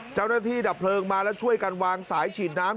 ดับเพลิงมาแล้วช่วยกันวางสายฉีดน้ำ